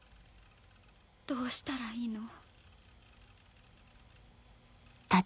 どうしたらいいの？